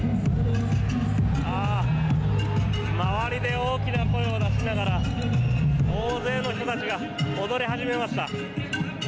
周りで大きな声を出しながら大勢の人たちが踊り始めました。